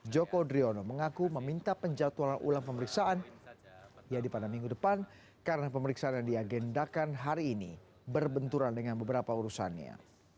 joko driono mengaku meminta penjatualan ulang pemeriksaan yaitu pada minggu depan karena pemeriksaan yang diagendakan hari ini berbenturan dengan beberapa urusannya